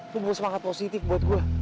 lo bersemangat positif buat gue